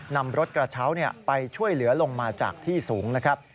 นำรถกระเช้าไปช่วยเหลือลงมาจากที่สูงนะครับ